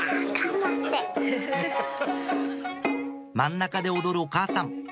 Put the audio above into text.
真ん中で踊るお母さん